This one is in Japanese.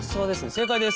正解です。